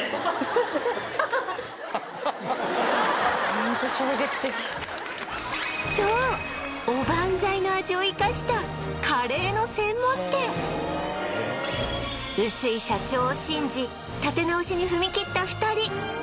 ホントそうおばんざいの味を生かしたカレーの専門店臼井社長を信じ立て直しに踏み切った２人